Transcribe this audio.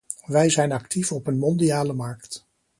Wij zijn actief op een mondiale markt.